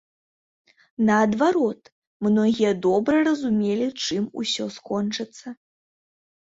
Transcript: Наадварот, многія добра разумелі, чым усё скончыцца.